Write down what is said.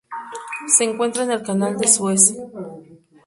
Se encuentra en el Canal de Suez.